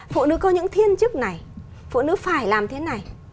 phụ nữ có những thiên chức này phụ nữ phải làm thế này